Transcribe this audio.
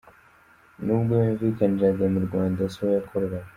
Nubwo yumvikaniraga mu Rwanda, siho yakoreraga.